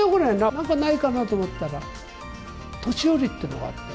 なんかないかなと思ったら、年寄りっていうのがあった。